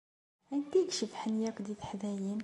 Anta i icebḥen akk deg teḥdayin?